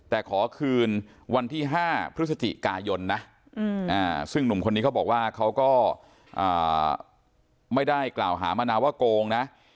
แต่ขอคืนวันที่๕พฤศจิกายนนะซึ่งหนุ่มคนนี้เขาบอกว่าเขาก็ไม่ได้กล่าวหามะนาวว่าโกงนะ